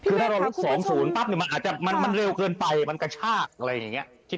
คือถ้าเราลด๒เมตรปั๊บมันเร็วเกินไปมันกระชากอะไรอย่างนี้